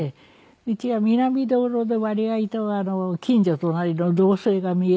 うちは南道路で割合と近所隣の動静が見えるんで。